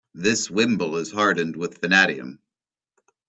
This wimble is hardened with vanadium.